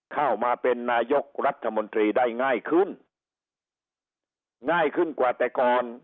เข้ามาเป็นนายกรัฐมนตรีได้ง่ายขึ้นง่ายขึ้นกว่าแต่ก่อน